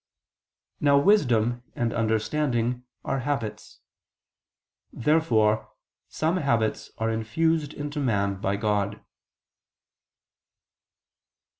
Now wisdom and understanding are habits. Therefore some habits are infused into man by God.